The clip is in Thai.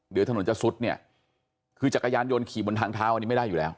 เดี๋ยวถนนจะซุดเนี่ยคือจักรยานยนต์ขี่บนทางเท้าอันนี้ไม่ได้อยู่แล้ว